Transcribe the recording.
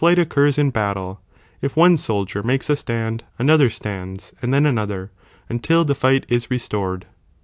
^*^ it i ^ j occurs m battle, it one soldier makes a stand, another stands, and then another, until the fight is restored.